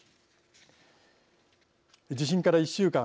地震から１週間。